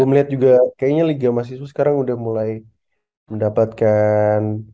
gua melihat juga kayaknya liga mas jisoo sekarang udah mulai mendapatkan